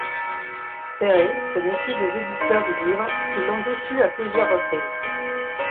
Ferré se méfie des éditeurs du livre, qui l'ont déçu à plusieurs reprises.